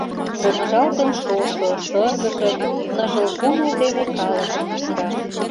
Помыжалтын шошо, шыргыжын, Ныжыл кумыл дене калыкым вӱчка.